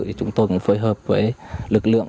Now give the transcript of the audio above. chúng tôi cũng phối hợp với lực lượng